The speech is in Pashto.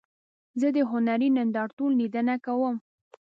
زه د هنري نندارتون لیدنه کوم.